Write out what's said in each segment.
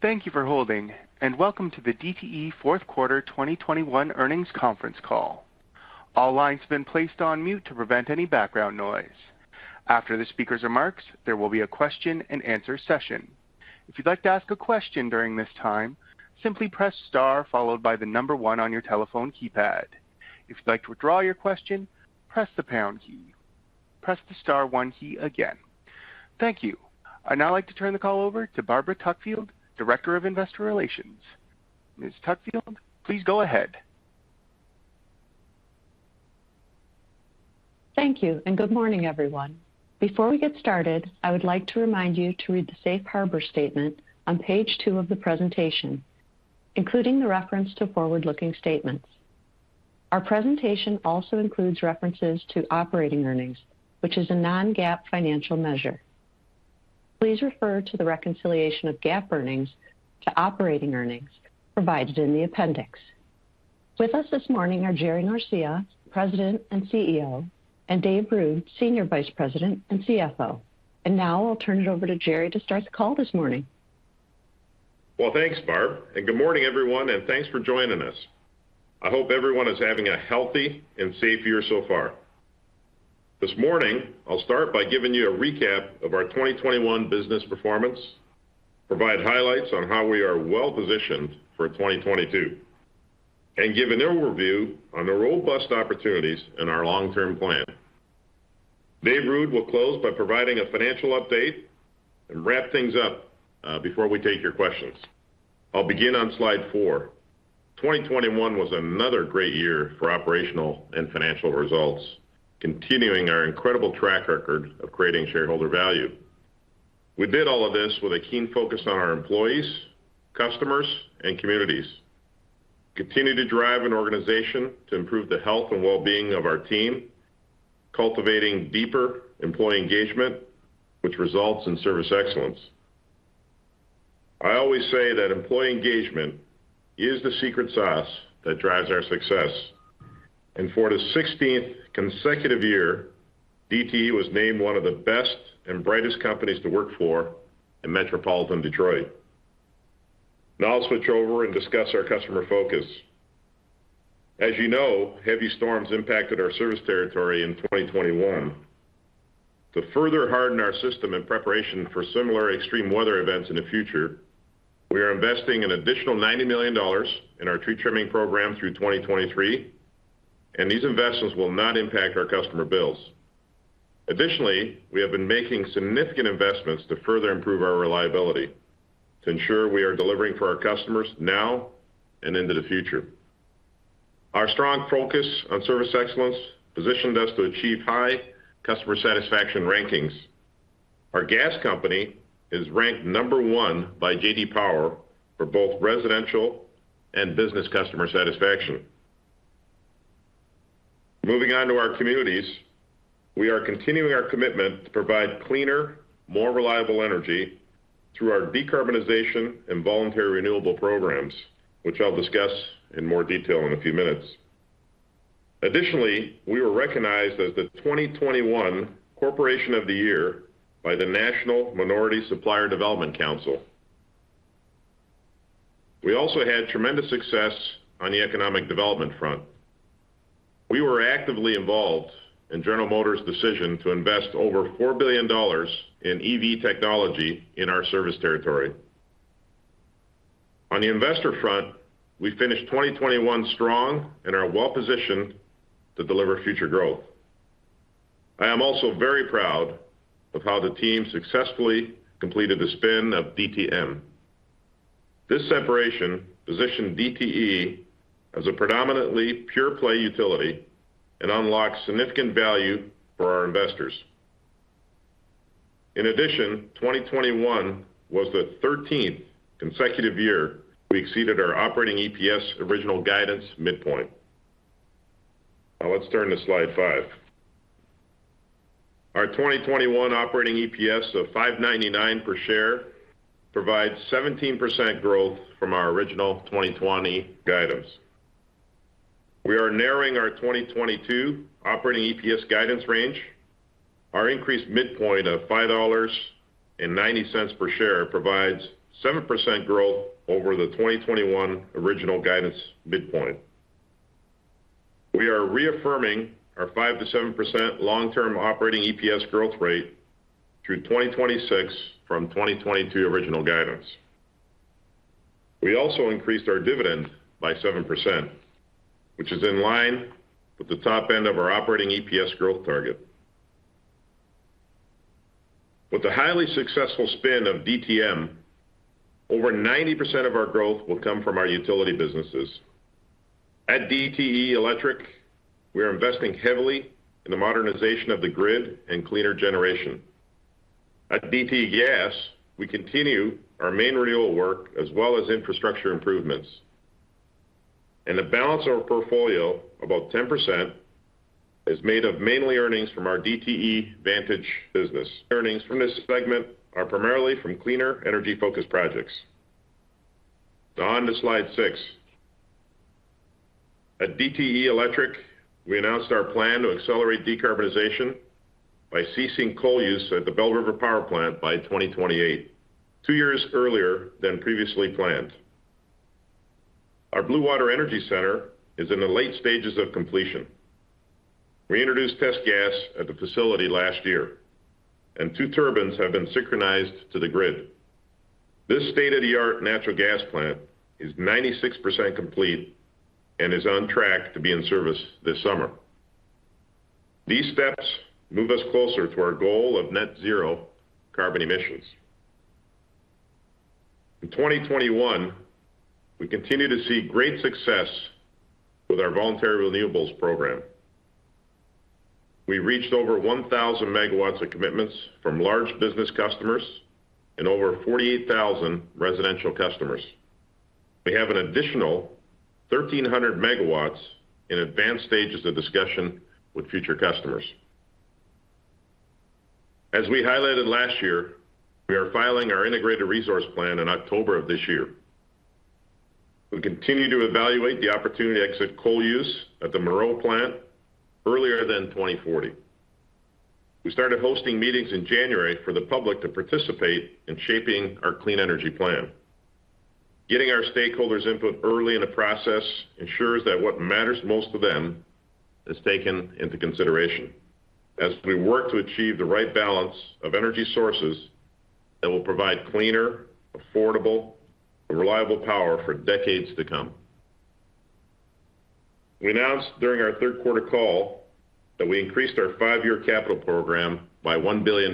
Thank you for holding, and welcome to the DTE Fourth Quarter 2021 Earnings Conference Call. All lines have been placed on mute to prevent any background noise. After the speaker's remarks, there will be a question-and-answer session. If you'd like to ask a question during this time, simply press star followed by the number 1 on your telephone keypad. If you'd like to withdraw your question, press the pound key. Press the star 1 key again. Thank you. I'd now like to turn the call over to Barbara Tuckfield, Director of Investor Relations. Ms. Tuckfield, please go ahead. Thank you, and good morning, everyone. Before we get started, I would like to remind you to read the safe harbor statement on page two of the presentation, including the reference to forward-looking statements. Our presentation also includes references to operating earnings, which is a non-GAAP financial measure. Please refer to the reconciliation of GAAP earnings to operating earnings provided in the appendix. With us this morning are Jerry Norcia, President and CEO, and Dave Ruud, Senior Vice President and CFO. Now I'll turn it over to Jerry to start the call this morning. Well, thanks, Barb. Good morning, everyone, and thanks for joining us. I hope everyone is having a healthy and safe year so far. This morning, I'll start by giving you a recap of our 2021 business performance, provide highlights on how we are well-positioned for 2022, and give an overview on the robust opportunities in our long-term plan. Dave Ruud will close by providing a financial update and wrap things up before we take your questions. I'll begin on slide 4. 2021 was another great year for operational and financial results, continuing our incredible track record of creating shareholder value. We did all of this with a keen focus on our employees, customers, and communities, continue to drive an organization to improve the health and well-being of our team, cultivating deeper employee engagement, which results in service excellence. I always say that employee engagement is the secret sauce that drives our success. For the 16th consecutive year, DTE was named one of the best and brightest companies to work for in Metropolitan Detroit. Now I'll switch over and discuss our customer focus. As you know, heavy storms impacted our service territory in 2021. To further harden our system in preparation for similar extreme weather events in the future, we are investing an additional $90 million in our tree trimming program through 2023, and these investments will not impact our customer bills. Additionally, we have been making significant investments to further improve our reliability to ensure we are delivering for our customers now and into the future. Our strong focus on service excellence positioned us to achieve high customer satisfaction rankings. Our gas company is ranked No. 1 by J.D. Power. Power for both residential and business customer satisfaction. Moving on to our communities, we are continuing our commitment to provide cleaner, more reliable energy through our decarbonization and voluntary renewable programs, which I'll discuss in more detail in a few minutes. Additionally, we were recognized as the 2021 Corporation of the Year by the National Minority Supplier Development Council. We also had tremendous success on the economic development front. We were actively involved in General Motors' decision to invest over $4 billion in EV technology in our service territory. On the investor front, we finished 2021 strong and are well-positioned to deliver future growth. I am also very proud of how the team successfully completed the spin of DT Midstream. This separation positioned DTE as a predominantly pure-play utility and unlocks significant value for our investors. In addition, 2021 was the thirteenth consecutive year we exceeded our operating EPS original guidance midpoint. Now let's turn to slide 5. Our 2021 operating EPS of $5.99 per share provides 17% growth from our original 2020 guidance. We are narrowing our 2022 operating EPS guidance range. Our increased midpoint of $5.90 per share provides 7% growth over the 2021 original guidance midpoint. We are reaffirming our 5%-7% long-term operating EPS growth rate through 2026 from 2022 original guidance. We also increased our dividend by 7%, which is in line with the top end of our operating EPS growth target. With the highly successful spin of DTM, over 90% of our growth will come from our utility businesses. At DTE Electric, we are investing heavily in the modernization of the grid and cleaner generation. At DTE Gas, we continue our main renewal work as well as infrastructure improvements. The balance of our portfolio, about 10%, is made of mainly earnings from our DTE Vantage business. Earnings from this segment are primarily from cleaner energy-focused projects. On to slide six. At DTE Electric, we announced our plan to accelerate decarbonization by ceasing coal use at the Belle River Power Plant by 2028, two years earlier than previously planned. Our Blue Water Energy Center is in the late stages of completion. We introduced test gas at the facility last year, and two turbines have been synchronized to the grid. This state-of-the-art natural gas plant is 96% complete and is on track to be in service this summer. These steps move us closer to our goal of net zero carbon emissions. In 2021, we continue to see great success with our voluntary renewables program. We reached over 1,000 MW of commitments from large business customers and over 48,000 residential customers. We have an additional 1,300 MW in advanced stages of discussion with future customers. As we highlighted last year, we are filing our Integrated Resource Plan in October of this year. We continue to evaluate the opportunity to exit coal use at the Monroe plant earlier than 2040. We started hosting meetings in January for the public to participate in shaping our clean energy plan. Getting our stakeholders' input early in the process ensures that what matters most to them is taken into consideration as we work to achieve the right balance of energy sources that will provide cleaner, affordable, and reliable power for decades to come. We announced during our third quarter call that we increased our 5-year capital program by $1 billion.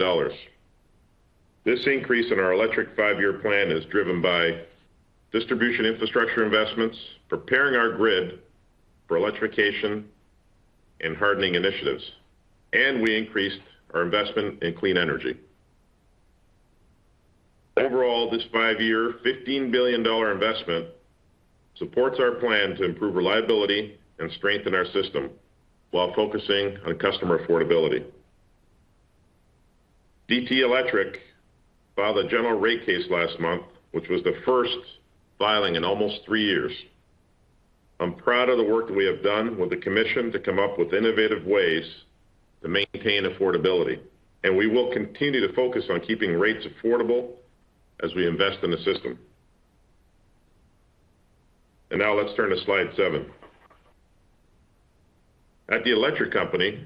This increase in our electric 5-year plan is driven by distribution infrastructure investments, preparing our grid for electrification and hardening initiatives, and we increased our investment in clean energy. Overall, this 5-year, $15 billion investment supports our plan to improve reliability and strengthen our system while focusing on customer affordability. DTE Electric filed a general rate case last month, which was the first filing in almost 3 years. I'm proud of the work that we have done with the commission to come up with innovative ways to maintain affordability, and we will continue to focus on keeping rates affordable as we invest in the system. Now let's turn to slide seven. At the electric company,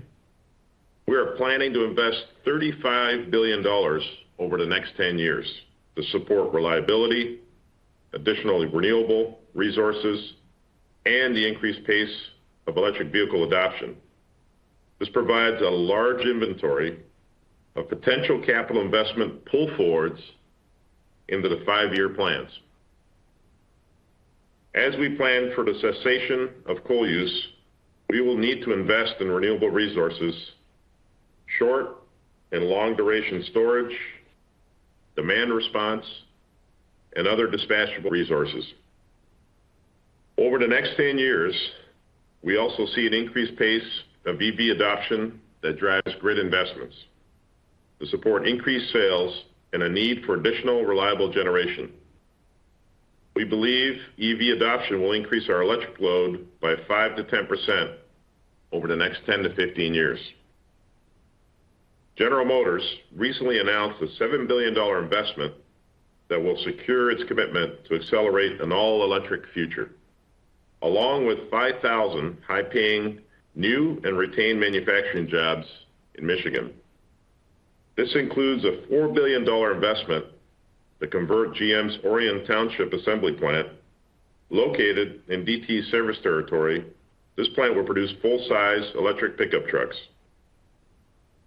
we are planning to invest $35 billion over the next 10 years to support reliability, additional renewable resources, and the increased pace of electric vehicle adoption. This provides a large inventory of potential capital investment pull forwards into the 5-year plans. As we plan for the cessation of coal use, we will need to invest in renewable resources, short and long-duration storage, demand response, and other dispatchable resources. Over the next 10 years, we also see an increased pace of EV adoption that drives grid investments to support increased sales and a need for additional reliable generation. We believe EV adoption will increase our electric load by 5%-10% over the next 10-15 years. General Motors recently announced a $7 billion investment that will secure its commitment to accelerate an all-electric future, along with 5,000 high-paying new and retained manufacturing jobs in Michigan. This includes a $4 billion investment to convert GM's Orion Township Assembly Plant, located in DTE service territory. This plant will produce full-size electric pickup trucks.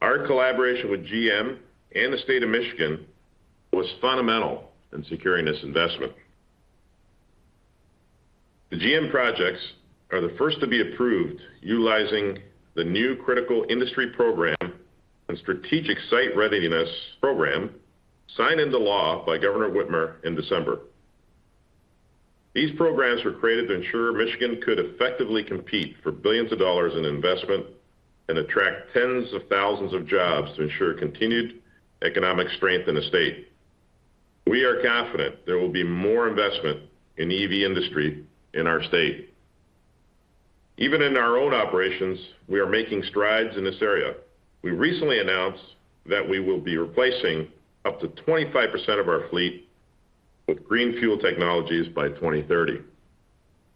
Our collaboration with GM and the state of Michigan was fundamental in securing this investment. The GM projects are the first to be approved utilizing the new Critical Industry Program and Strategic Site Readiness Program signed into law by Governor Whitmer in December. These programs were created to ensure Michigan could effectively compete for billions of dollars in investment and attract tens of thousands of jobs to ensure continued economic strength in the state. We are confident there will be more investment in EV industry in our state. Even in our own operations, we are making strides in this area. We recently announced that we will be replacing up to 25% of our fleet with green fuel technologies by 2030.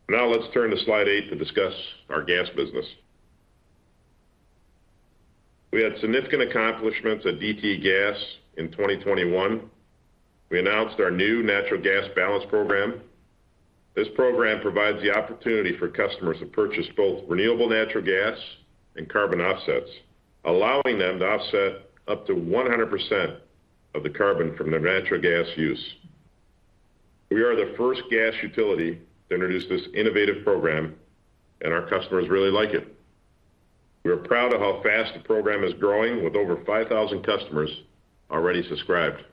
Now let's turn to slide 8 to discuss our gas business. We had significant accomplishments at DTE Gas in 2021. We announced our new Natural Gas Balance program. This program provides the opportunity for customers to purchase both renewable natural gas and carbon offsets, allowing them to offset up to 100% of the carbon from their natural gas use. We are the first gas utility to introduce this innovative program, and our customers really like it. We are proud of how fast the program is growing, with over 5,000 customers already subscribed.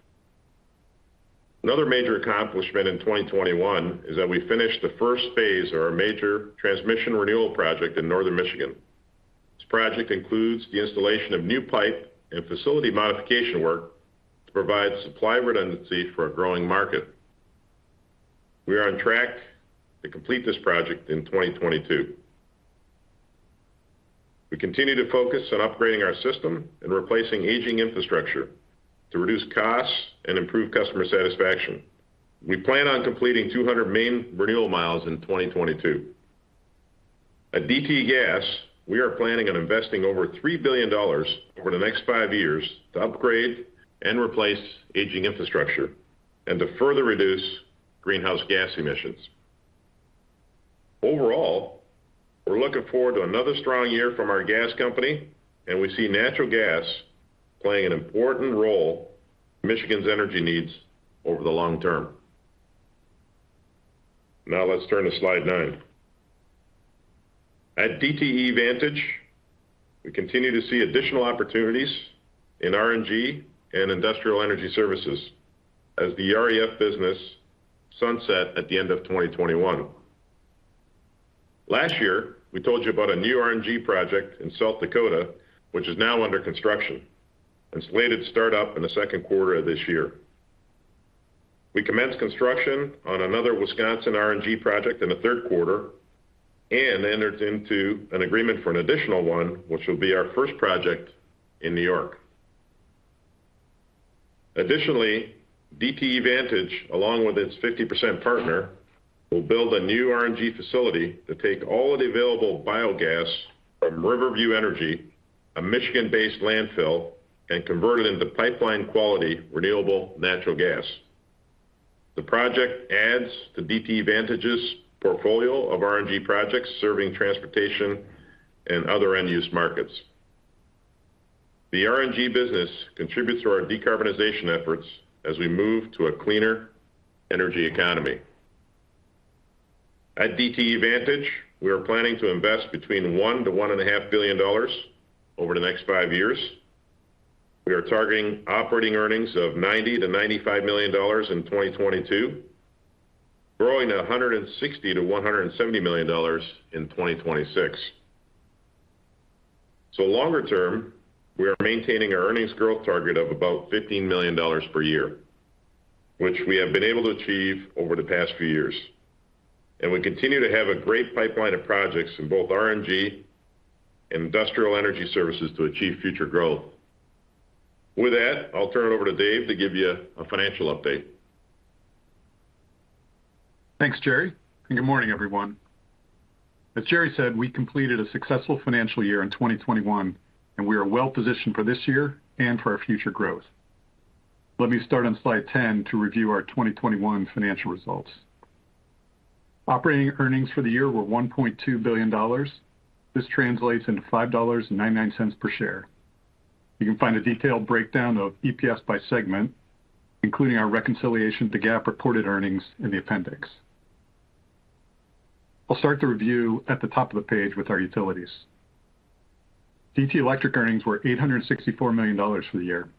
Another major accomplishment in 2021 is that we finished the first phase of our major transmission renewal project in Northern Michigan. This project includes the installation of new pipe and facility modification work to provide supply redundancy for a growing market. We are on track to complete this project in 2022. We continue to focus on upgrading our system and replacing aging infrastructure to reduce costs and improve customer satisfaction. We plan on completing 200 main renewal miles in 2022. At DTE Gas, we are planning on investing over $3 billion over the next five years to upgrade and replace aging infrastructure and to further reduce greenhouse gas emissions. Overall, we're looking forward to another strong year from our gas company, and we see natural gas playing an important role in Michigan's energy needs over the long term. Now let's turn to slide 9. At DTE Vantage, we continue to see additional opportunities in RNG and industrial energy services as the REF business sunset at the end of 2021. Last year, we told you about a new RNG project in South Dakota, which is now under construction. It's slated to start up in the second quarter of this year. We commenced construction on another Wisconsin RNG project in the third quarter and entered into an agreement for an additional one, which will be our first project in New York. DTE Vantage, along with its 50% partner, will build a new RNG facility to take all of the available biogas from Riverview Energy Systems, a Michigan-based landfill, and convert it into pipeline-quality, renewable natural gas. The project adds to DTE Vantage's portfolio of RNG projects serving transportation and other end-use markets. The RNG business contributes to our decarbonization efforts as we move to a cleaner energy economy. At DTE Vantage, we are planning to invest between $1 billion-$1.5 billion over the next five years. We are targeting operating earnings of $90 million-$95 million in 2022, growing to $160 million-$170 million in 2026. Longer term, we are maintaining our earnings growth target of about $15 million per year, which we have been able to achieve over the past few years. We continue to have a great pipeline of projects in both RNG and industrial energy services to achieve future growth. With that, I'll turn it over to Dave to give you a financial update. Thanks, Jerry, and good morning, everyone. As Jerry said, we completed a successful financial year in 2021, and we are well positioned for this year and for our future growth. Let me start on slide 10 to review our 2021 financial results. Operating earnings for the year were $1.2 billion. This translates into $5.99 per share. You can find a detailed breakdown of EPS by segment, including our reconciliation to GAAP reported earnings in the appendix. I'll start the review at the top of the page with our utilities. DTE Electric earnings were $864 million for the year.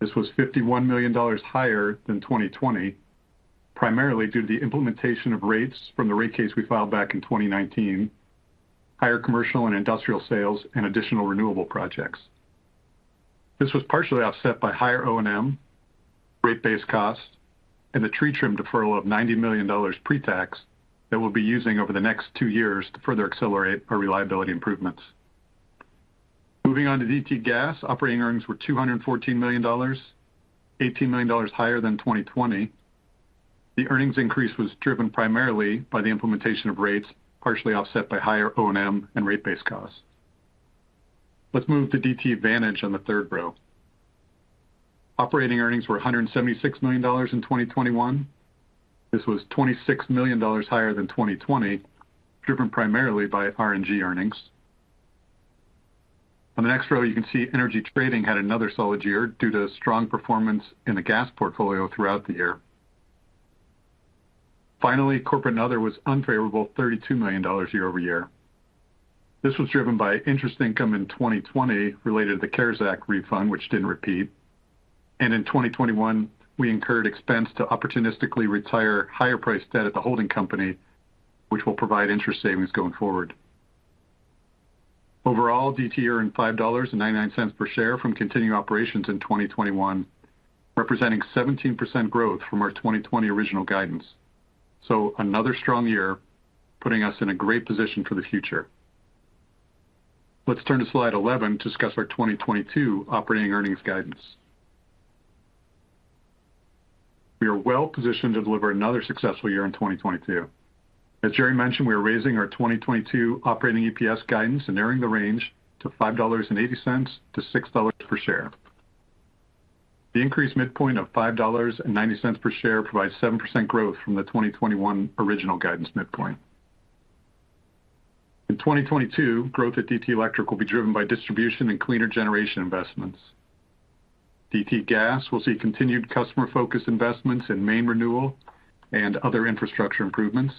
This was $51 million higher than 2020, primarily due to the implementation of rates from the rate case we filed back in 2019, higher commercial and industrial sales, and additional renewable projects. This was partially offset by higher O&M, rate-based costs, and the tree trim deferral of $90 million pre-tax that we'll be using over the next two years to further accelerate our reliability improvements. Moving on to DTE Gas, operating earnings were $214 million, $18 million higher than 2020. The earnings increase was driven primarily by the implementation of rates, partially offset by higher O&M and rate-based costs. Let's move to DTE Vantage on the third row. Operating earnings were $176 million in 2021. This was $26 million higher than 2020, driven primarily by RNG earnings. On the next row, you can see energy trading had another solid year due to strong performance in the gas portfolio throughout the year. Finally, corporate and other was unfavorable $32 million year-over-year. This was driven by interest income in 2020 related to the CARES Act refund, which didn't repeat. In 2021, we incurred expense to opportunistically retire higher-priced debt at the holding company, which will provide interest savings going forward. Overall, DTE earned $5.99 per share from continuing operations in 2021, representing 17% growth from our 2020 original guidance. Another strong year, putting us in a great position for the future. Let's turn to slide 11 to discuss our 2022 operating earnings guidance. We are well-positioned to deliver another successful year in 2022. As Jerry mentioned, we are raising our 2022 operating EPS guidance and narrowing the range to $5.80-$6 per share. The increased midpoint of $5.90 per share provides 7% growth from the 2021 original guidance midpoint. In 2022, growth at DTE Electric will be driven by distribution and cleaner generation investments. DTE Gas will see continued customer-focused investments in main renewal and other infrastructure improvements.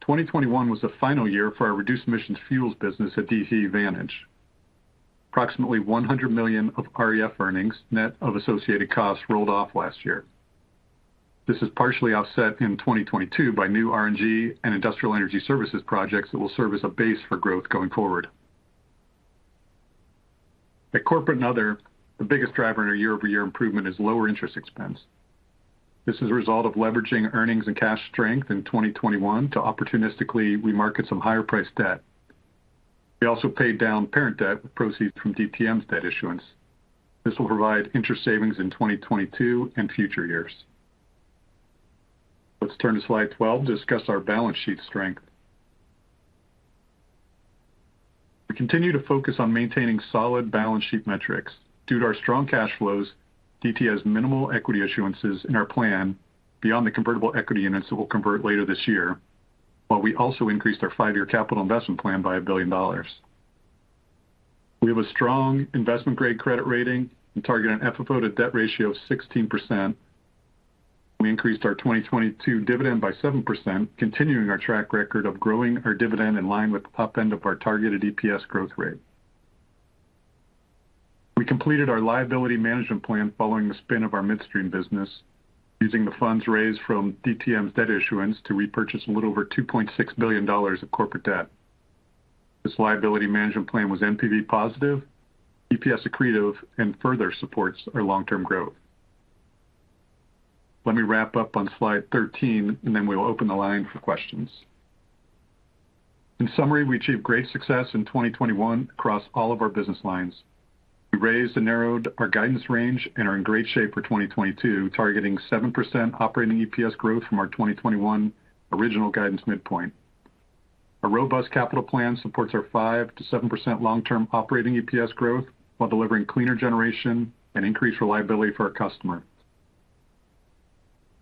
2021 was the final year for our reduced emissions fuels business at DTE Vantage. Approximately $100 million of REF earnings, net of associated costs, rolled off last year. This is partially offset in 2022 by new RNG and industrial energy services projects that will serve as a base for growth going forward. At corporate and other, the biggest driver in our year-over-year improvement is lower interest expense. This is a result of leveraging earnings and cash strength in 2021 to opportunistically remarket some higher-priced debt. We also paid down parent debt with proceeds from DTM's debt issuance. This will provide interest savings in 2022 and future years. Let's turn to slide 12 to discuss our balance sheet strength. We continue to focus on maintaining solid balance sheet metrics. Due to our strong cash flows, DTE has minimal equity issuances in our plan beyond the convertible equity units that we'll convert later this year, while we also increased our 5-year capital investment plan by $1 billion. We have a strong investment-grade credit rating and target an FFO to debt ratio of 16%. We increased our 2022 dividend by 7%, continuing our track record of growing our dividend in line with the top end of our targeted EPS growth rate. We completed our liability management plan following the spin of our midstream business, using the funds raised from DTM's debt issuance to repurchase a little over $2.6 billion of corporate debt. This liability management plan was NPV positive, EPS accretive, and further supports our long-term growth. Let me wrap up on slide 13, and then we will open the line for questions. In summary, we achieved great success in 2021 across all of our business lines. We raised and narrowed our guidance range and are in great shape for 2022, targeting 7% operating EPS growth from our 2021 original guidance midpoint. A robust capital plan supports our 5%-7% long-term operating EPS growth while delivering cleaner generation and increased reliability for our customer.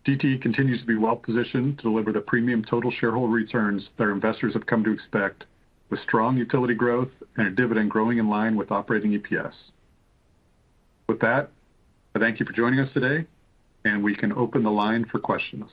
DTE continues to be well-positioned to deliver the premium total shareholder returns that our investors have come to expect, with strong utility growth and a dividend growing in line with operating EPS. With that, I thank you for joining us today, and we can open the line for questions.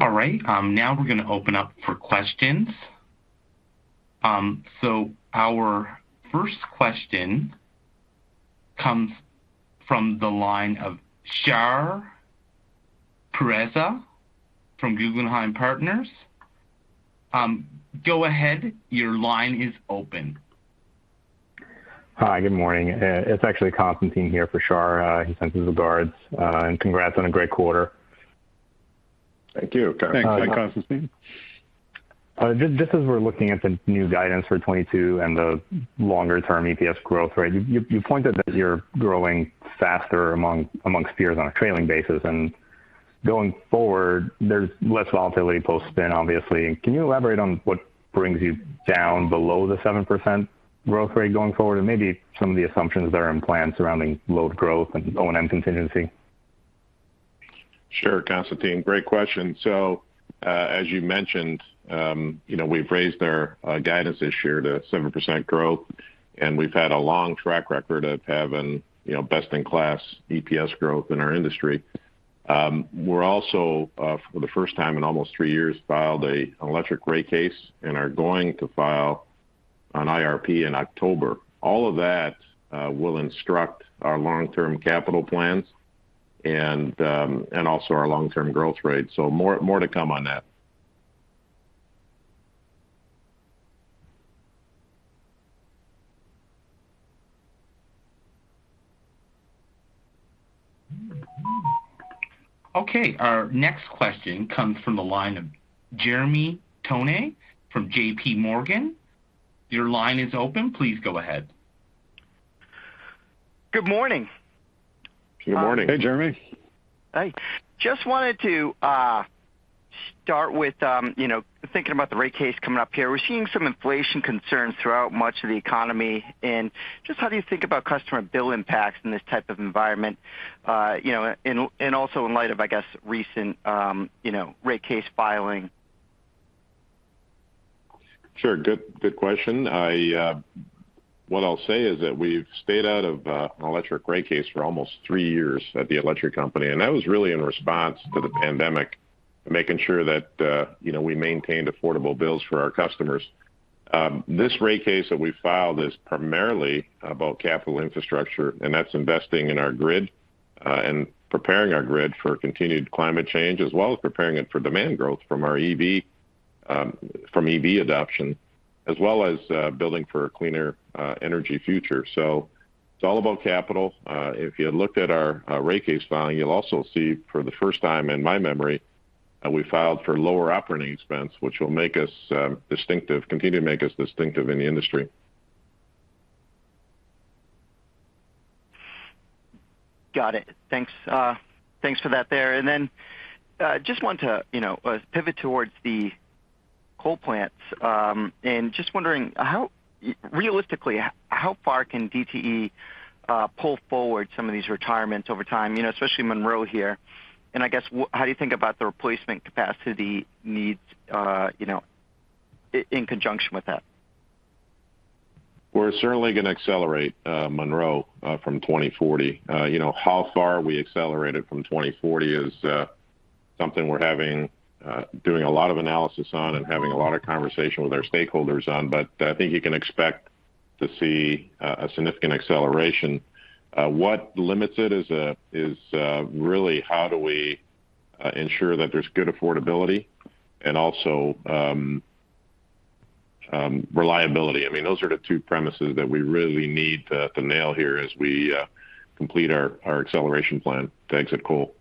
All right, now we're going to open up for questions. Our first question comes from the line of Shahriar Pourreza from Guggenheim Partners. Go ahead, your line is open. Hi, good morning. It's actually Constantine here for Shar. He sends his regards. Congrats on a great quarter. Thank you. Thanks. Hi, Constantine. Just as we're looking at the new guidance for 2022 and the longer-term EPS growth rate, you pointed that you're growing faster amongst peers on a trailing basis. Going forward, there's less volatility post-spin, obviously. Can you elaborate on what brings you down below the 7% growth rate going forward? Maybe some of the assumptions that are in plan surrounding load growth and O&M contingency? Sure, Constantine. Great question. As you mentioned, we've raised our guidance this year to 7% growth, and we've had a long track record of having, you know, best-in-class EPS growth in our industry. We're also, for the first time in almost three years, filed an electric rate case and are going to file an IRP in October. All of that will instruct our long-term capital plans and also our long-term growth rate. More to come on that. Okay. Our next question comes from the line of Jeremy Tonet from JP Morgan. Your line is open. Please go ahead. Good morning. Good morning. Hey, Jeremy. Hi. Just wanted to start with thinking about the rate case coming up here. We're seeing some inflation concerns throughout much of the economy. Just how do you think about customer bill impacts in this type of environment, and also in light of, I guess, recent rate case filing? Sure. Good question. What I'll say is that we've stayed out of an electric rate case for almost three years at the electric company, and that was really in response to the pandemic, making sure that you know, we maintained affordable bills for our customers. This rate case that we filed is primarily about capital infrastructure, and that's investing in our grid and preparing our grid for continued climate change, as well as preparing it for demand growth from our EV from EV adoption, as well as building for a cleaner energy future. It's all about capital. If you looked at our rate case filing, you'll also see for the first time in my memory that we filed for lower operating expense, which will make us distinctive, continue to make us distinctive in the industry. Got it. Thanks. Thanks for that there. Just want to, you know, pivot towards the coal plants. Just wondering how, realistically, how far can DTE pull forward some of these retirements over time, especially Monroe here? I guess how do you think about the replacement capacity needs, you know, in conjunction with that? We're certainly gonna accelerate Monroe from 2040. You know, how far we accelerate it from 2040 is something we're doing a lot of analysis on and having a lot of conversation with our stakeholders on. I think you can expect to see a significant acceleration. What limits it is really how do we ensure that there's good affordability and also reliability. I mean, those are the two premises that we really need to nail here as we complete our acceleration plan to exit coal.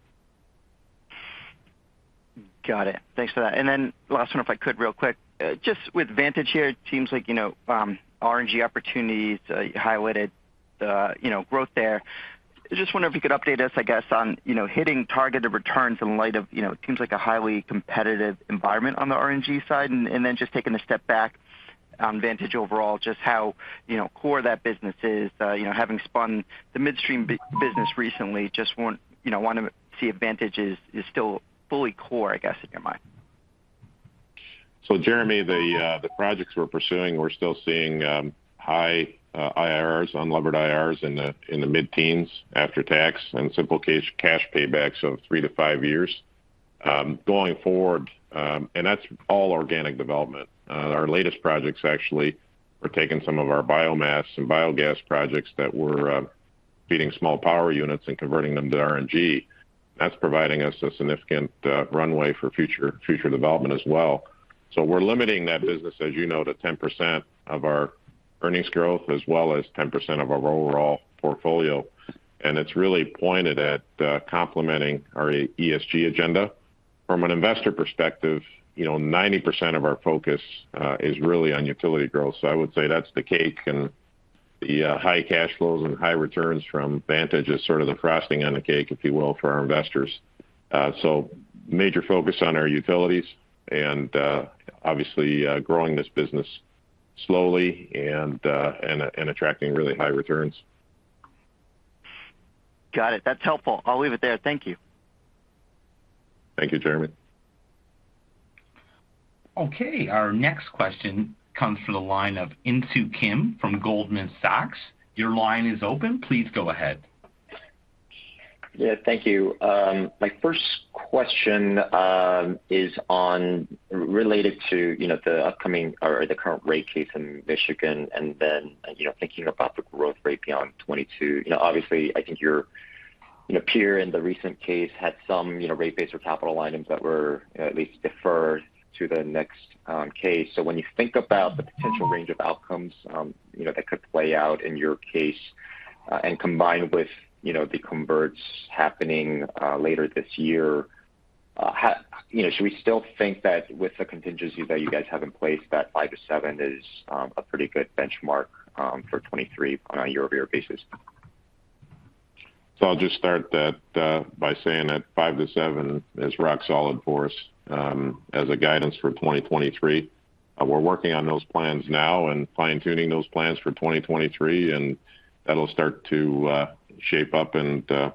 Got it. Thanks for that. Last one, if I could, real quick. Just with Vantage here, it seems like, RNG opportunities, you highlighted, growth there. I just wonder if you could update us, I guess, on, you know, hitting targeted returns in light of, you know, it seems like a highly competitive environment on the RNG side. Just taking a step back on Vantage overall, just how, core that business is having spun the midstream business recently, want to see if Vantage is still fully core, I guess, in your mind. Jeremy, the projects we're pursuing, we're still seeing high IRRs, unlevered IRRs in the mid-teens after tax and simple case cash paybacks of 3-5 years going forward. That's all organic development. Our latest projects actually are taking some of our biomass and biogas projects that were feeding small power units and converting them to RNG. That's providing us a significant runway for future development as well. We're limiting that business, as you know, to 10% of our earnings growth, as well as 10% of our overall portfolio, and it's really pointed at complementing our ESG agenda. From an investor perspective, you know, 90% of our focus is really on utility growth. I would say that's the cake and the high cash flows and high returns from Vantage is sort of the frosting on the cake, if you will, for our investors. Major focus on our utilities and obviously growing this business slowly and attracting really high returns. Got it. That's helpful. I'll leave it there. Thank you. Thank you, Jeremy. Okay. Our next question comes from the line of Insoo Kim from Goldman Sachs. Your line is open. Please go ahead. Yeah. Thank you. My first question is on related to, the upcoming or the current rate case in Michigan and then, you know, thinking about the growth rate beyond 2022. Obviously, I think your, you know, peer in the recent case had some, you know, rate base or capital items that were, you know, at least deferred to the next case. When you think about the potential range of outcomes, you know, that could play out in your case, and combined with, you know, the converts happening, later this year, how should we still think that with the contingencies that you guys have in place, that 5%-7% is a pretty good benchmark, for 2023 on a year-over-year basis? I'll just start that by saying that 5-7 is rock solid for us as a guidance for 2023. We're working on those plans now and fine-tuning those plans for 2023, and that'll start to shape up, and I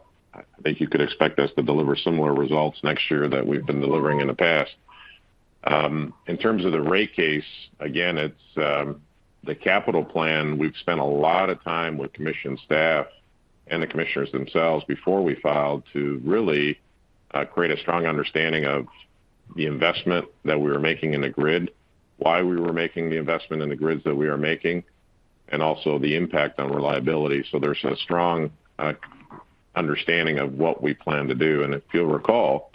think you could expect us to deliver similar results next year that we've been delivering in the past. In terms of the rate case, again, it's the capital plan. We've spent a lot of time with commission staff and the commissioners themselves before we filed to really create a strong understanding of the investment that we were making in the grid, why we were making the investment in the grids that we are making, and also the impact on reliability. There's a strong understanding of what we plan to do. If you'll recall,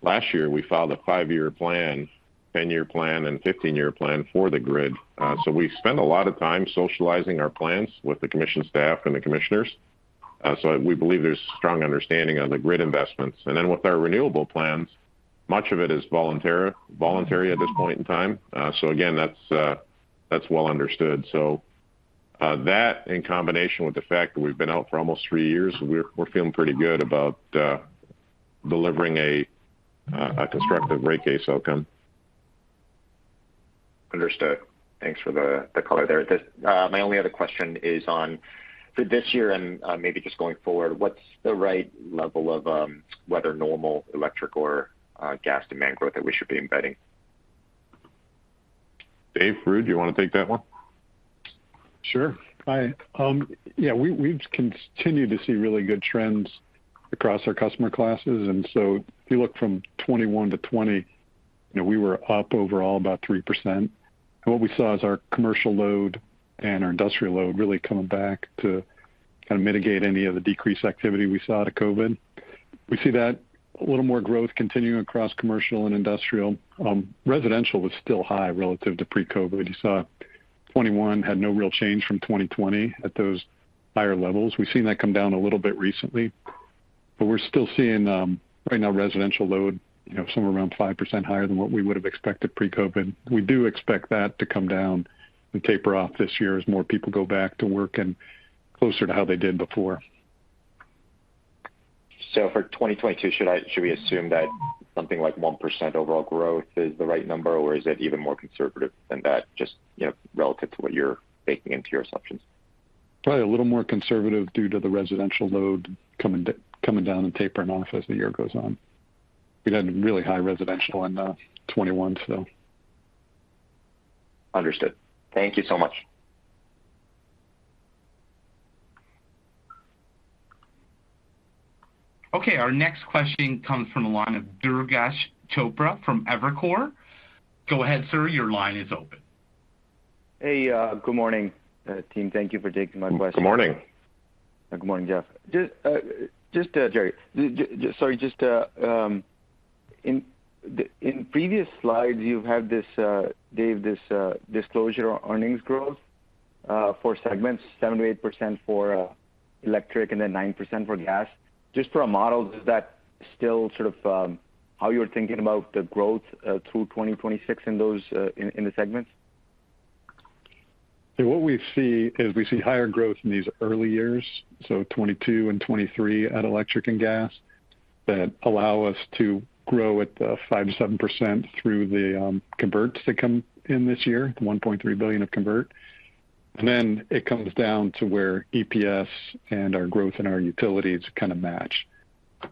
last year, we filed a 5-year plan, 10-year plan, and 15-year plan for the grid. We spent a lot of time socializing our plans with the commission staff and the commissioners, so we believe there's strong understanding of the grid investments. With our renewable plans, much of it is voluntary at this point in time. That's well understood. That in combination with the fact that we've been out for almost 3 years, we're feeling pretty good about delivering a constructive rate case outcome. Understood. Thanks for the color there. Just my only other question is on for this year and maybe just going forward, what's the right level of whether normal electric or gas demand growth that we should be embedding? Dave Ruud, do you want to take that one? Sure. Yeah, we continue to see really good trends across our customer classes. If you look from 2020 to 2021, we were up overall about 3%. What we saw is our commercial load and our industrial load really coming back to kind of mitigate any of the decreased activity we saw out of COVID. We see that a little more growth continuing across commercial and industrial. Residential was still high relative to pre-COVID. You saw 2021 had no real change from 2020 at those higher levels. We've seen that come down a little bit recently, but we're still seeing right now residential load, somewhere around 5% higher than what we would have expected pre-COVID. We do expect that to come down and taper off this year as more people go back to work and closer to how they did before. For 2022, should we assume that something like 1% overall growth is the right number or is it even more conservative than that just, you know, relative to what you're baking into your assumptions? Probably a little more conservative due to the residential load coming down and tapering off as the year goes on. We got really high residential in 2021, so. Understood. Thank you so much. Okay, our next question comes from the line of Durgesh Chopra from Evercore. Go ahead, sir. Your line is open. Hey, good morning, team. Thank you for taking my question. Good morning. Good morning, Jerry. Just sorry, just in the previous slides, you've had this detailed disclosure on earnings growth for segments 78% for electric and then 9% for gas. Just for a model, is that still sort of how you're thinking about the growth through 2026 in those segments? What we see is higher growth in these early years, 2022 and 2023 at electric and gas, that allow us to grow at 5%-7% through the converts that come in this year, $1.3 billion of convert. Then it comes down to where EPS and our growth in our utilities kind of match.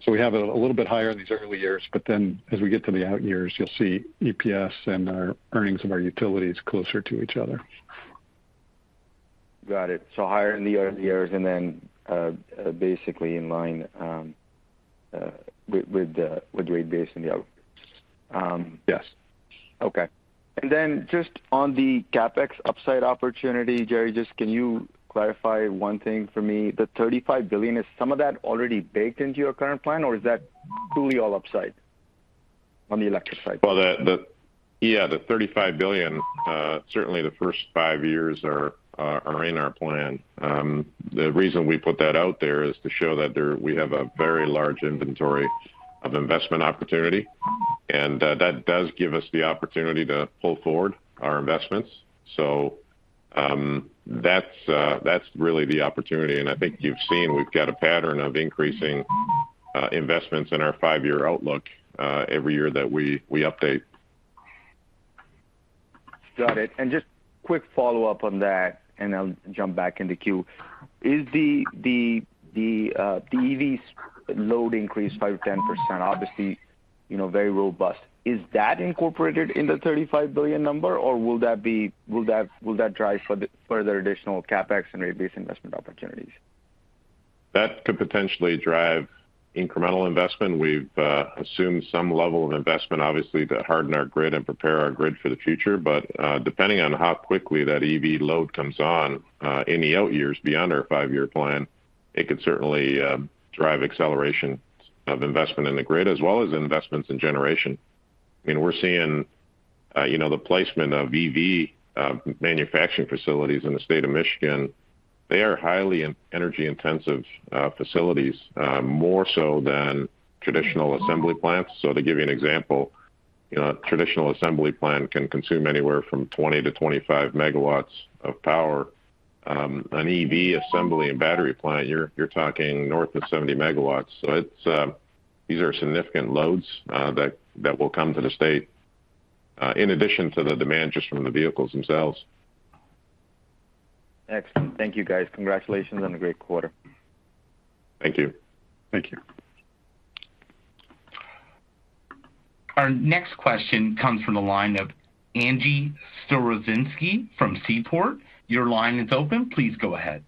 We have a little bit higher in these early years, but then as we get to the out years, you'll see EPS and our earnings of our utilities closer to each other. Got it. Higher in the early years and then basically in line with the rate base in the outlook. Yes. Okay. Just on the CapEx upside opportunity, Jerry, just can you clarify one thing for me? The $35 billion, is some of that already baked into your current plan or is that truly all upside on the electric side? Yeah, the $35 billion, certainly the first 5 years are in our plan. The reason we put that out there is to show that we have a very large inventory of investment opportunity, and that does give us the opportunity to pull forward our investments. That's really the opportunity. I think you've seen we've got a pattern of increasing investments in our 5-year outlook every year that we update. Got it. Just quick follow-up on that, and I'll jump back in the queue. Is the EV's load increase 5%-10%, obviously, you know, very robust. Is that incorporated in the $35 billion number, or will that drive further additional CapEx and rate-based investment opportunities? That could potentially drive incremental investment. We've assumed some level of investment, obviously, to harden our grid and prepare our grid for the future. Depending on how quickly that EV load comes on, in the out years beyond our five-year plan, it could certainly drive acceleration of investment in the grid as well as investments in generation. I mean, we're seeing, you know, the placement of EV manufacturing facilities in the state of Michigan. They are highly energy intensive facilities, more so than traditional assembly plants. To give you an example, a traditional assembly plant can consume anywhere from 20-25 MW of power. An EV assembly and battery plant, you're talking north of 70 MW. These are significant loads that will come to the state in addition to the demand just from the vehicles themselves. Excellent. Thank you, guys. Congratulations on a great quarter. Thank you. Thank you. Our next question comes from the line of Angie Storozynski from Seaport. Your line is open. Please go ahead.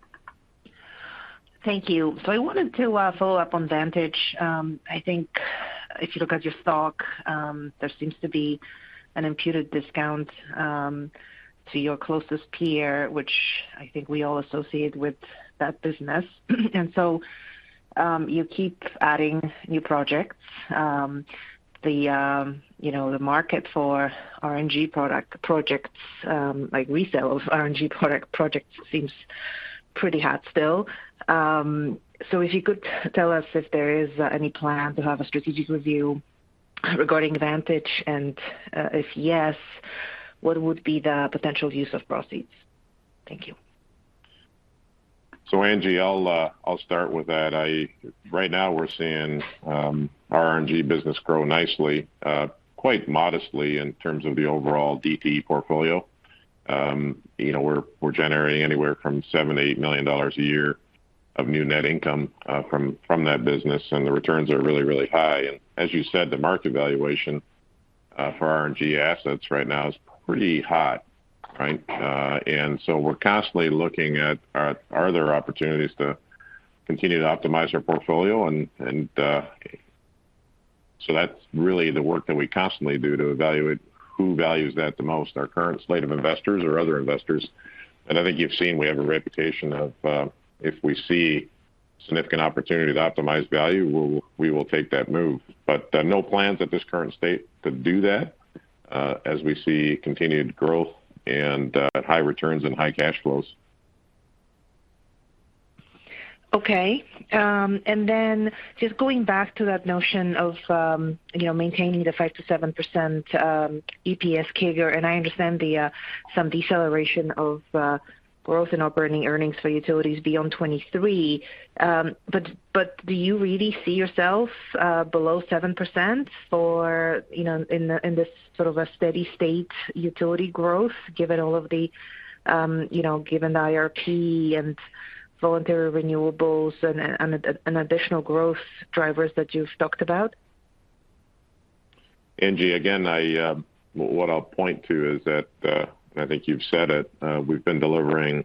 Thank you. I wanted to follow up on Vantage. I think if you look at your stock, there seems to be an imputed discount to your closest peer, which I think we all associate with that business. You keep adding new projects. The market for RNG product projects, like resale of RNG product projects seems pretty hot still. If you could tell us if there is any plan to have a strategic review regarding Vantage, and if yes, what would be the potential use of proceeds? Thank you. Angie, I'll start with that. Right now we're seeing our RNG business grow nicely quite modestly in terms of the overall DTE portfolio. You know, we're generating anywhere from $7 million-$8 million a year of new net income from that business, and the returns are really high. As you said, the market valuation for RNG assets right now is pretty hot, right? We're constantly looking at are there opportunities to continue to optimize our portfolio and. That's really the work that we constantly do to evaluate who values that the most, our current slate of investors or other investors. I think you've seen we have a reputation of if we see significant opportunity to optimize value, we will take that move. No plans at this current state to do that, as we see continued growth and high returns and high cash flows. Just going back to that notion of, you know, maintaining the 5%-7% EPS CAGR, and I understand some deceleration of growth in operating earnings for utilities beyond 2023. Do you really see yourself below 7% for, you know, in this sort of a steady state utility growth given all of the, you know, given the IRP and voluntary renewables and an additional growth drivers that you've talked about? Angie, again, what I'll point to is that, and I think you've said it, we've been delivering,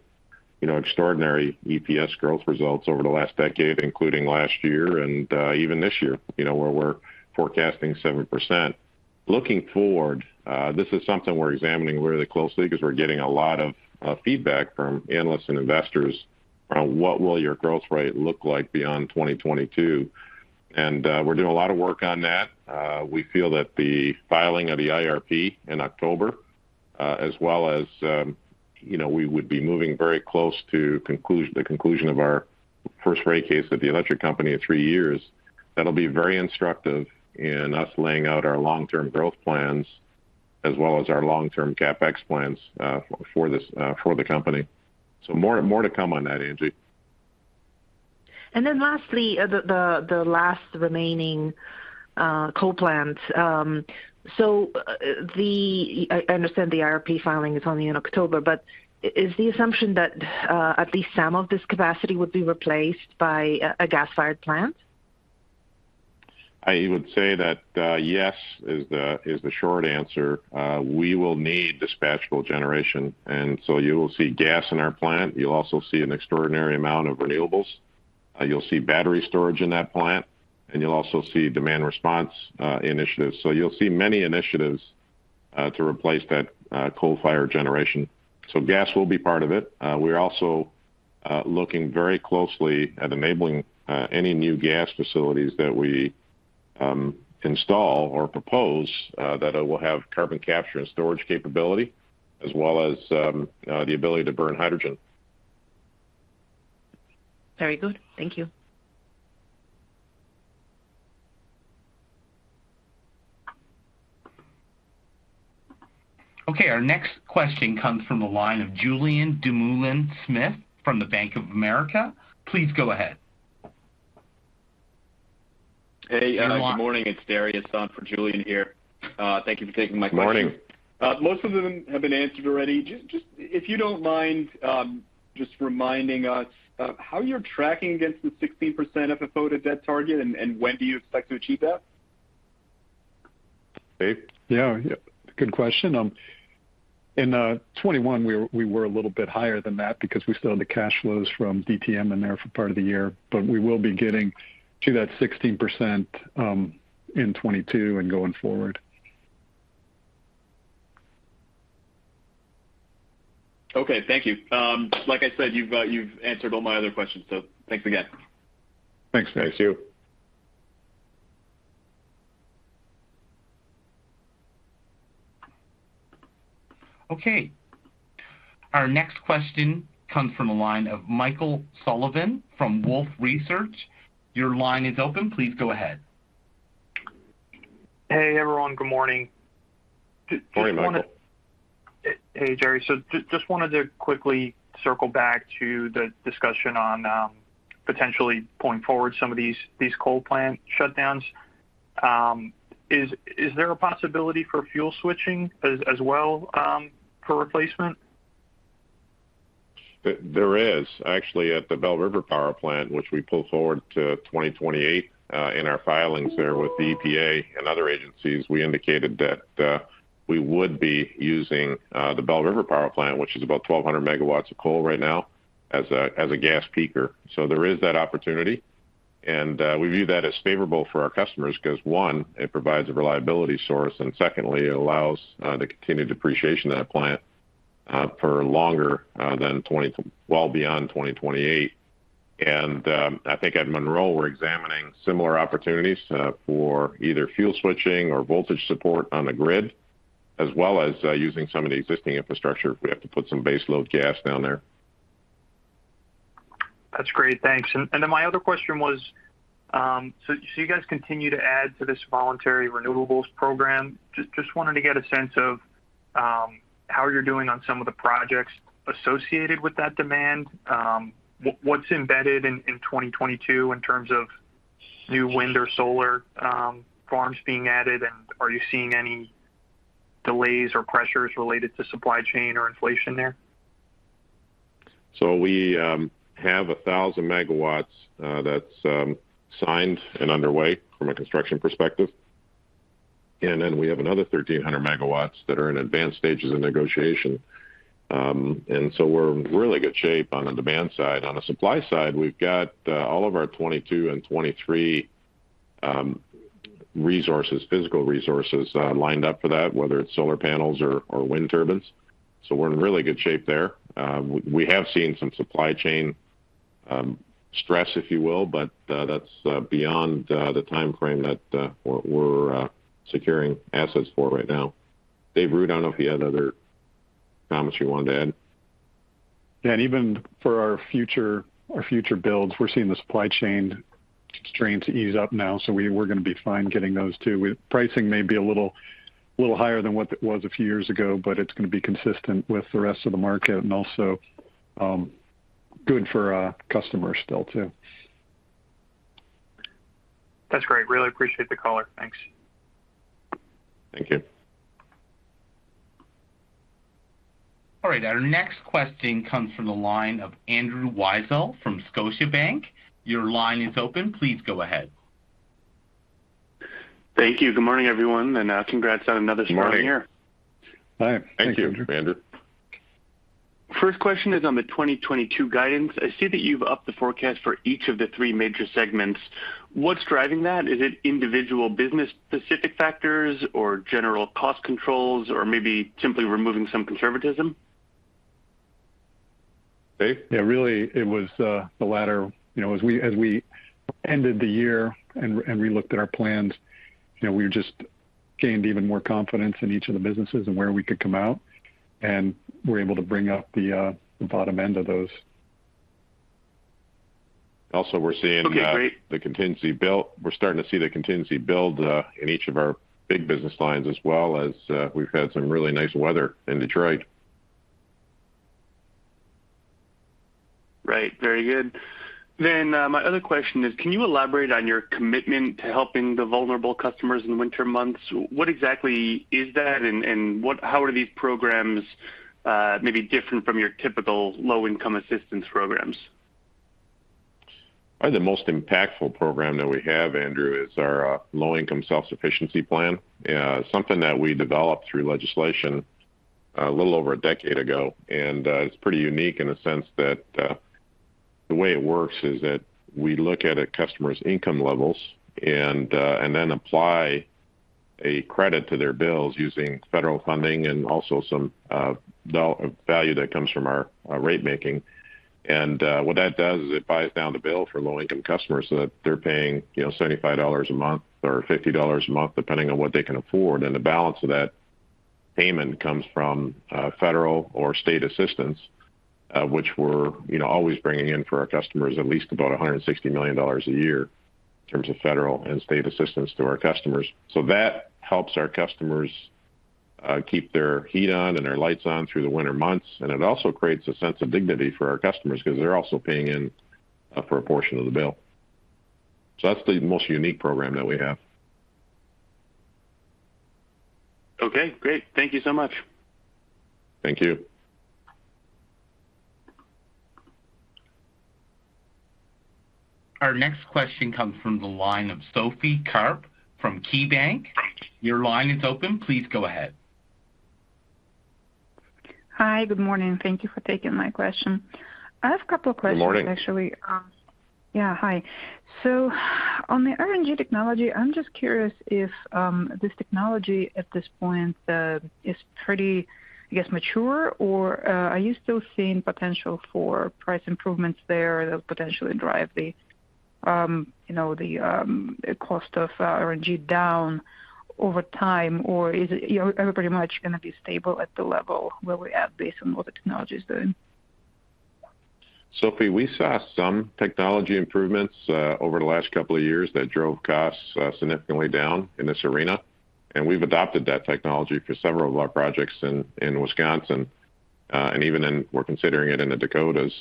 you know, extraordinary EPS growth results over the last decade, including last year and even this year, where we're forecasting 7%. Looking forward, this is something we're examining really closely because we're getting a lot of feedback from analysts and investors around what will your growth rate look like beyond 2022. We're doing a lot of work on that. We feel that the filing of the IRP in October, as well as, you know, we would be moving very close to the conclusion of our first rate case at the electric company of three years. That'll be very instructive in us laying out our long-term growth plans as well as our long-term CapEx plans for the company. More to come on that, Angie. Lastly, the last remaining coal plant. I understand the IRP filing is only in October, but is the assumption that at least some of this capacity would be replaced by a gas-fired plant? I would say that yes is the short answer. We will need dispatchable generation. You will see gas in our plant. You'll also see an extraordinary amount of renewables. You'll see battery storage in that plant, and you'll also see demand response initiatives. You'll see many initiatives to replace that coal-fired generation. Gas will be part of it. We're also looking very closely at enabling any new gas facilities that we install or propose that will have carbon capture and storage capability as well as the ability to burn hydrogen. Very good. Thank you. Okay. Our next question comes from the line of Julien Dumoulin-Smith from the Bank of America. Please go ahead. Hey Your line- Good morning. It's Darius on for Julien here. Thank you for taking my call. Morning. Most of them have been answered already. Just if you don't mind, just reminding us of how you're tracking against the 16% FFO to debt target and when do you expect to achieve that? Dave? Yeah. Yeah. Good question. In 2021 we were a little bit higher than that because we still had the cash flows from DTM in there for part of the year. We will be getting to that 16% in 2022 and going forward. Okay. Thank you. Like I said, you've answered all my other questions, so thanks again. Thanks, Darius. Okay. Our next question comes from the line of Michael Sullivan from Wolfe Research. Your line is open. Please go ahead. Hey, everyone. Good morning. Morning, Michael. Hey, Jerry. Just wanted to quickly circle back to the discussion on potentially pushing forward some of these coal plant shutdowns. Is there a possibility for fuel switching as well for replacement? There is. Actually, at the Belle River Power Plant, which we pulled forward to 2028, in our filings there with the EPA and other agencies, we indicated that we would be using the Belle River Power Plant, which is about 1,200 MW of coal right now, as a gas peaker. So there is that opportunity, and we view that as favorable for our customers because, one, it provides a reliability source, and secondly, it allows the continued depreciation of that plant for longer than 2028, well beyond 2028. I think at Monroe, we're examining similar opportunities for either fuel switching or voltage support on the grid as well as using some of the existing infrastructure if we have to put some base load gas down there. That's great. Thanks. My other question was, so you guys continue to add to this voluntary renewables program. Just wanted to get a sense of how you're doing on some of the projects associated with that demand. What's embedded in 2022 in terms of new wind or solar farms being added? Are you seeing any delays or pressures related to supply chain or inflation there? We have 1,000 MW that's signed and underway from a construction perspective. We have another 1,300 MW that are in advanced stages of negotiation. We're in really good shape on the demand side. On the supply side, we've got all of our 2022 and 2023 resources, physical resources, lined up for that, whether it's solar panels or wind turbines. We're in really good shape there. We have seen some supply chain stress, if you will, but that's beyond the timeframe that we're securing assets for right now. Dave Ruud, I don't know if you had other comments you wanted to add. Yeah, even for our future builds, we're seeing the supply chain strain to ease up now, so we're gonna be fine getting those too. Pricing may be a little higher than what it was a few years ago, but it's gonna be consistent with the rest of the market and also good for our customers still too. That's great. Really appreciate the color. Thanks. Thank you. All right, our next question comes from the line of Andrew Weisel from Scotiabank. Your line is open. Please go ahead. Thank you. Good morning, everyone, and congrats on another strong year. Morning. Hi. Thank you, Andrew. Thank you, Andrew. First question is on the 2022 guidance. I see that you've upped the forecast for each of the three major segments. What's driving that? Is it individual business specific factors or general cost controls or maybe simply removing some conservatism? Dave? Yeah, really, it was the latter. As we ended the year and we looked at our plans, we just gained even more confidence in each of the businesses and where we could come out, and we're able to bring up the bottom end of those. Also, we're seeing Okay, great.... the contingency build. We're starting to see the contingency build in each of our big business lines as well as we've had some really nice weather in Detroit. Right. Very good. My other question is, can you elaborate on your commitment to helping the vulnerable customers in the winter months? What exactly is that and how are these programs maybe different from your typical low-income assistance programs? Probably the most impactful program that we have, Andrew, is our low-income self-sufficiency plan. Something that we developed through legislation a little over a decade ago, and it's pretty unique in a sense that the way it works is that we look at a customer's income levels and then apply a credit to their bills using federal funding and also some dollar value that comes from our rate making. What that does is it buys down the bill for low-income customers so that they're paying, you know, $75 a month or $50 a month, depending on what they can afford. The balance of that payment comes from federal or state assistance, which we're, always bringing in for our customers at least about $160 million a year in terms of federal and state assistance to our customers. That helps our customers keep their heat on and their lights on through the winter months. It also creates a sense of dignity for our customers 'cause they're also paying in for a portion of the bill. That's the most unique program that we have. Okay, great. Thank you so much. Thank you. Our next question comes from the line of Sophie Karp from KeyBanc. Your line is open. Please go ahead. Hi, good morning. Thank you for taking my question. I have a couple of questions actually. Good morning. Yeah, hi. On the RNG technology, I'm just curious if this technology at this point is pretty, I guess, mature or are you still seeing potential for price improvements there that potentially drive the, you know, the cost of RNG down over time? Or is it you're pretty much gonna be stable at the level where we're at based on what the technology is doing? Sophie, we saw some technology improvements over the last couple of years that drove costs significantly down in this arena, and we've adopted that technology for several of our projects in Wisconsin, and even, we're considering it in the Dakotas.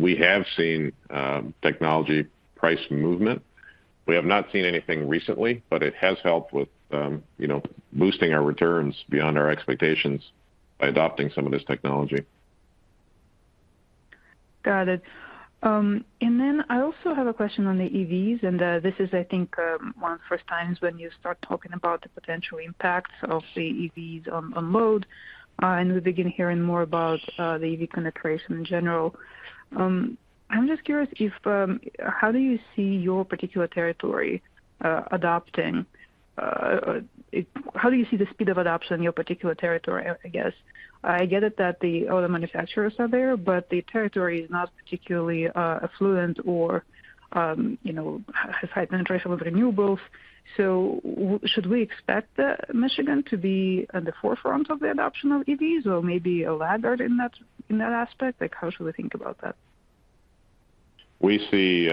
We have seen you know, boosting our returns beyond our expectations by adopting some of this technology. Got it. Then I also have a question on the EVs, and this is I think one of the first times when you start talking about the potential impacts of the EVs on load, and we begin hearing more about the EV penetration in general. I'm just curious how do you see your particular territory adopting? How do you see the speed of adoption in your particular territory, I guess? I get it that the auto manufacturers are there, but the territory is not particularly affluent or you know has high penetration with renewables. Should we expect Michigan to be at the forefront of the adoption of EVs or maybe a laggard in that aspect? Like, how should we think about that? We see,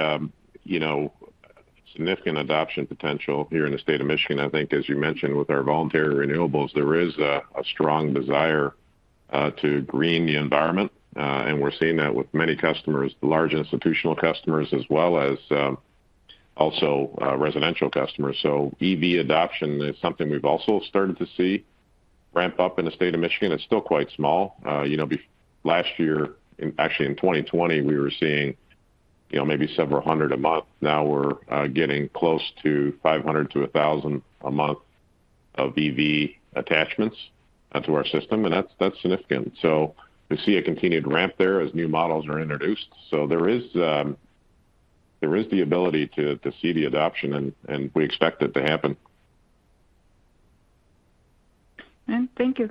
significant adoption potential here in the state of Michigan. I think, as you mentioned, with our voluntary renewables, there is a strong desire to green the environment, and we're seeing that with many customers, large institutional customers, as well as residential customers. EV adoption is something we've also started to see ramp up in the state of Michigan. It's still quite small. Actually, in 2020, we were seeing, you know, maybe several hundred a month. Now we're getting close to 500-1,000 a month of EV attachments onto our system, and that's significant. We see a continued ramp there as new models are introduced. There is the ability to see the adoption and we expect it to happen. Thank you.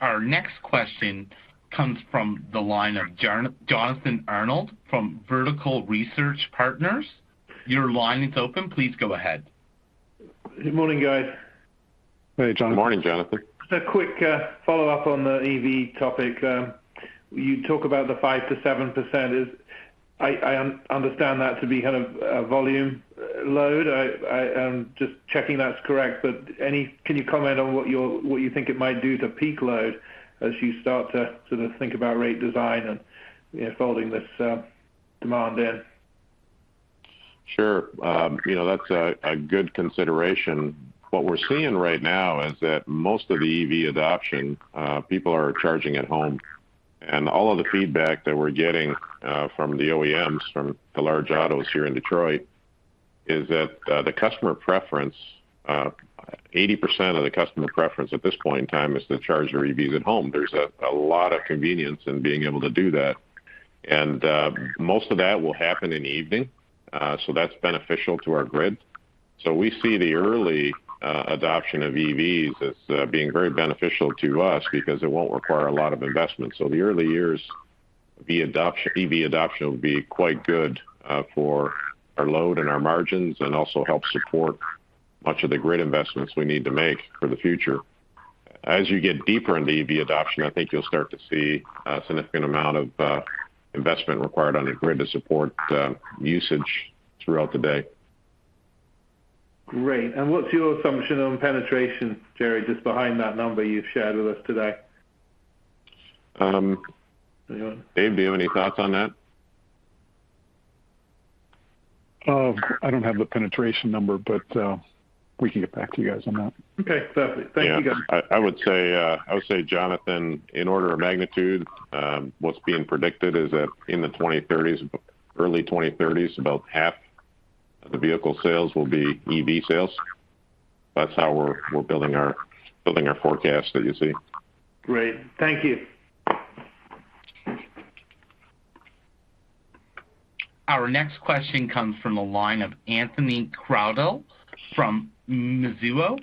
Our next question comes from the line of Jonathan Arnold from Vertical Research Partners. Your line is open. Please go ahead. Good morning, guys. Hey, Jonathan. Morning, Jonathan. Just a quick follow-up on the EV topic. You talk about the 5%-7%. I understand that to be kind of a volume load. I just checking that's correct. But can you comment on what you think it might do to peak load as you start to sort of think about rate design and you know folding this demand in? Sure. That's a good consideration. What we're seeing right now is that most of the EV adoption, people are charging at home. All of the feedback that we're getting from the OEMs, from the large autos here in Detroit, is that the customer preference, 80% of the customer preference at this point in time is to charge their EVs at home. There's a lot of convenience in being able to do that. Most of that will happen in the evening, so that's beneficial to our grid. We see the early adoption of EVs as being very beneficial to us because it won't require a lot of investment. The early years, the EV adoption will be quite good for our load and our margins, and also help support much of the grid investments we need to make for the future. As you get deeper into EV adoption, I think you'll start to see a significant amount of investment required on the grid to support usage throughout the day. Great. What's your assumption on penetration, Jerry, just behind that number you've shared with us today? Um- Anyone? Dave, do you have any thoughts on that? I don't have the penetration number, but we can get back to you guys on that. Okay, perfect. Thank you guys. Yeah. I would say, Jonathan, in order of magnitude, what's being predicted is that in the 2030s, early 2030s, about half of the vehicle sales will be EV sales. That's how we're building our forecast that you see. Great. Thank you. Our next question comes from the line of Anthony Crowdell from Mizuho.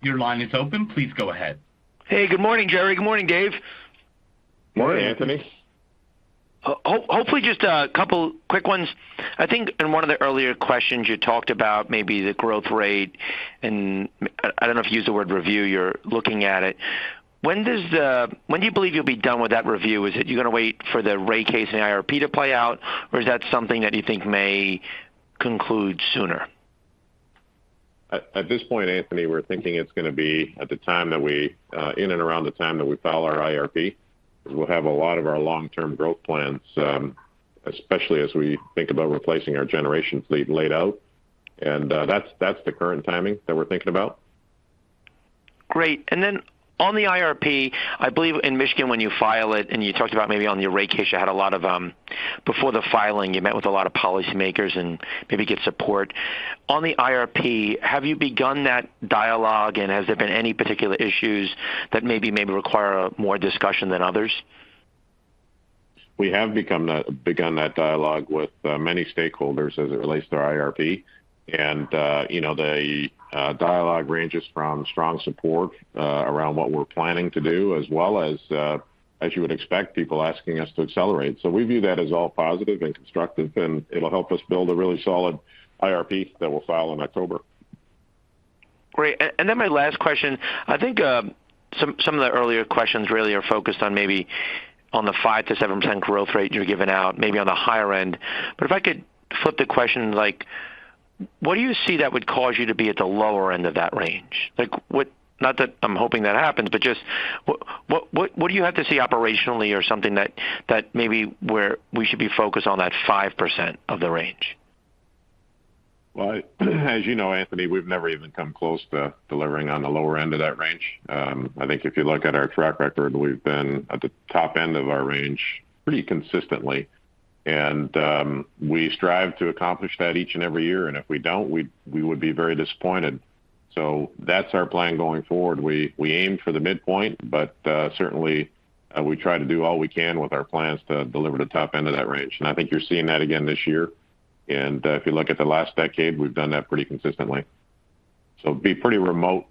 Your line is open. Please go ahead. Hey, good morning, Gerry. Good morning, Dave. Morning, Anthony. Hopefully just a couple quick ones. I think in one of the earlier questions you talked about maybe the growth rate and I don't know if you used the word review you're looking at it. When do you believe you'll be done with that review? Is it you're gonna wait for the rate case and IRP to play out, or is that something that you think may conclude sooner? At this point, Anthony, we're thinking it's gonna be in and around the time that we file our IRP. We'll have a lot of our long-term growth plans, especially as we think about replacing our generation fleet laid out. That's the current timing that we're thinking about. Great. Then on the IRP, I believe in Michigan when you file it, and you talked about maybe on your rate case, you had a lot of, before the filing, you met with a lot of policymakers and maybe get support. On the IRP, have you begun that dialogue, and has there been any particular issues that maybe require more discussion than others? We have begun that dialogue with many stakeholders as it relates to our IRP. You know, the dialogue ranges from strong support around what we're planning to do, as well as you would expect, people asking us to accelerate. We view that as all positive and constructive, and it'll help us build a really solid IRP that we'll file in October. Great. My last question, I think, some of the earlier questions really are focused on maybe on the 5%-7% growth rate you're giving out, maybe on the higher end. If I could flip the question, like, what do you see that would cause you to be at the lower end of that range? Like, what? Not that I'm hoping that happens, but just what do you have to see operationally or something that maybe we should be focused on that 5% of the range? Well, as you know, Anthony, we've never even come close to delivering on the lower end of that range. I think if you look at our track record, we've been at the top end of our range pretty consistently. We strive to accomplish that each and every year. If we don't, we would be very disappointed. That's our plan going forward. We aim for the midpoint, but certainly, we try to do all we can with our plans to deliver the top end of that range. I think you're seeing that again this year. If you look at the last decade, we've done that pretty consistently. It'd be pretty remote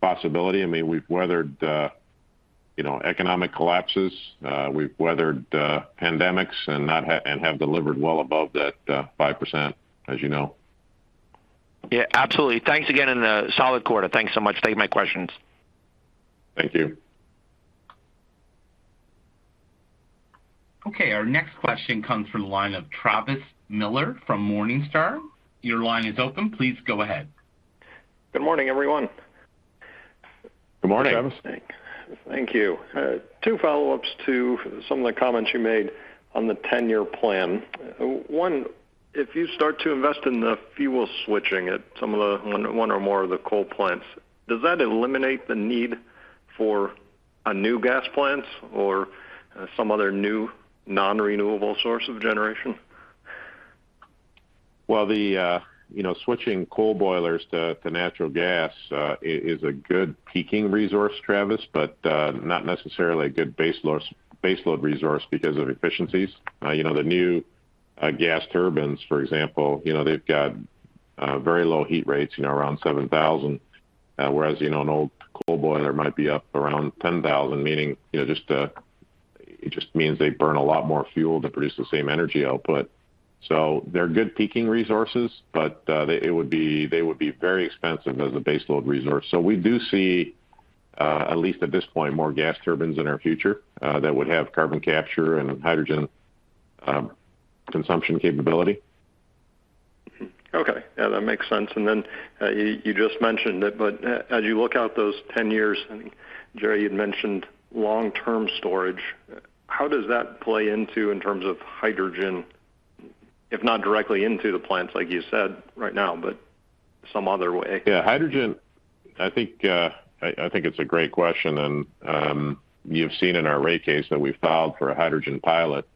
possibility. I mean, we've weathered, economic collapses. We've weathered pandemics and have delivered well above that 5%, as you know. Yeah, absolutely. Thanks again, and a solid quarter. Thanks so much. Take my questions. Thank you. Okay. Our next question comes from the line of Travis Miller from Morningstar. Your line is open. Please go ahead. Good morning, everyone. Good morning, Travis. Thank you. Two follow-ups to some of the comments you made on the ten-year plan. One, if you start to invest in the fuel switching at one or more of the coal plants, does that eliminate the need for a new gas plant or some other new non-renewable source of generation? Well, you know, switching coal boilers to natural gas is a good peaking resource, Travis, but not necessarily a good baseload resource because of efficiencies. You know, the new gas turbines, for example, you know, they've got very low heat rates, around 7,000, whereas, you know, an old coal boiler might be up around 10,000, meaning it just means they burn a lot more fuel to produce the same energy output. They're good peaking resources, but they would be very expensive as a baseload resource. We do see, at least at this point, more gas turbines in our future that would have carbon capture and hydrogen consumption capability. Okay. Yeah, that makes sense. You just mentioned it, but as you look out those 10 years, and Jerry, you'd mentioned long-term storage, how does that play into in terms of hydrogen, if not directly into the plants, like you said right now, but some other way? Yeah, hydrogen, I think, I think it's a great question, and you've seen in our rate case that we filed for a hydrogen pilot,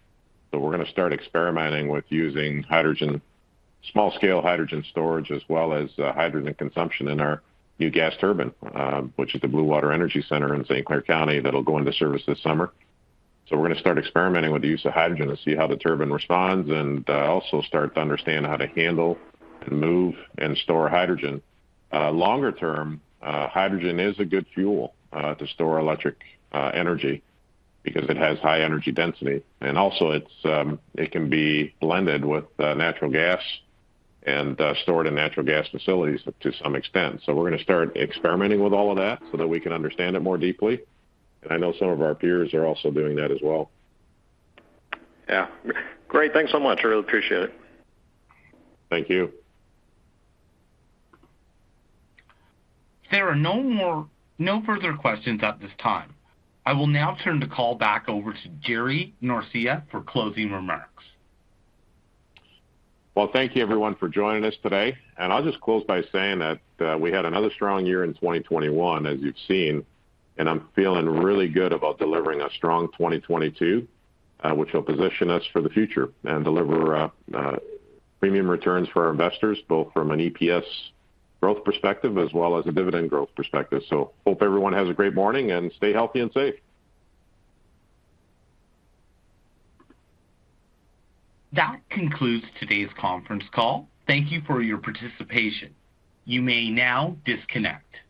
that we're gonna start experimenting with using hydrogen, small scale hydrogen storage as well as hydrogen consumption in our new gas turbine, which is the Blue Water Energy Center in St. Clair County that'll go into service this summer. We're gonna start experimenting with the use of hydrogen to see how the turbine responds and also start to understand how to handle, and move, and store hydrogen. Longer term, hydrogen is a good fuel to store electric energy because it has high energy density, and also it's it can be blended with natural gas and stored in natural gas facilities to some extent. We're gonna start experimenting with all of that so that we can understand it more deeply. I know some of our peers are also doing that as well. Yeah. Great. Thanks so much. I really appreciate it. Thank you. There are no further questions at this time. I will now turn the call back over to Jerry Norcia for closing remarks. Well, thank you everyone for joining us today, and I'll just close by saying that, we had another strong year in 2021 as you've seen, and I'm feeling really good about delivering a strong 2022, which will position us for the future and deliver, premium returns for our investors, both from an EPS growth perspective as well as a dividend growth perspective. Hope everyone has a great morning and stay healthy and safe. That concludes today's conference call. Thank you for your participation. You may now disconnect.